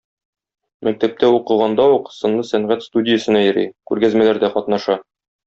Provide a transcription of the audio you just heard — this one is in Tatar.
Мәктәптә укыганда ук сынлы сәнгать студиясенә йөри, күргәзмәләрдә катнаша.